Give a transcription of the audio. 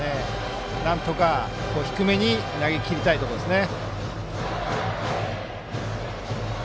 なんとか低めに投げきりたいところですね。